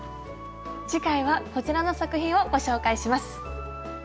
次回はこちらの作品をご紹介します。